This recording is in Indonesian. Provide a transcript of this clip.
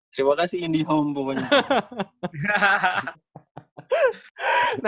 terima kasih indihome pokoknya